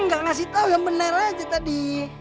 nggak ngasih tahu yang benar aja tadi